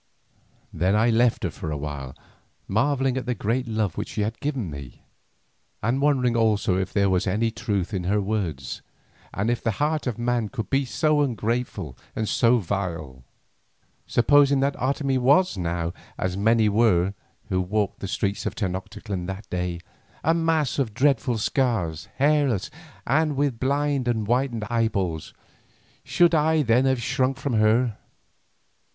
Then I left her for a while, marvelling at the great love which she had given me, and wondering also if there was any truth in her words, and if the heart of man could be so ungrateful and so vile. Supposing that Otomie was now as many were who walked the streets of Tenoctitlan that day, a mass of dreadful scars, hairless, and with blind and whitened eyeballs, should I then have shrunk from her?